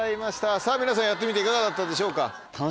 さぁ皆さんやってみていかがだったでしょうか？